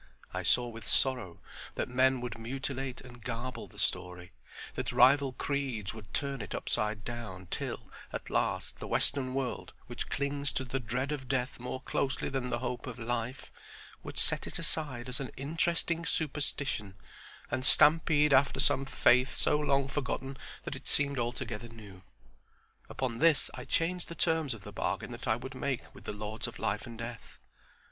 I saw with sorrow that men would mutilate and garble the story; that rival creeds would turn it upside down till, at last, the western world which clings to the dread of death more closely than the hope of life, would set it aside as an interesting superstition and stampede after some faith so long forgotten that it seemed altogether new. Upon this I changed the terms of the bargain that I would make with the Lords of Life and Death.